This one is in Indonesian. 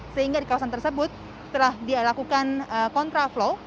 sehingga di kawasan tersebut telah dilakukan kontraflow